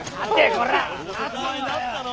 こら！